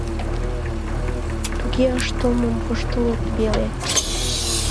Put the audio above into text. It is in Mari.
Туге ыштылмым воштылыт веле.